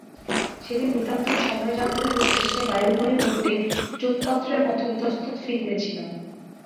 সেদিন নিতান্তই সময়যাপনের উদ্দেশে বায়ুভরে উড্ডীন চ্যুতপত্রের মতো ইতস্তত ফিরিতেছিলাম।